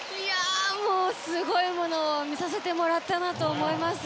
もう、すごいものを見させてもらったなと思います。